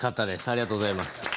ありがとうございます。